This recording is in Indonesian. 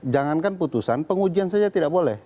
jangankan putusan pengujian saja tidak boleh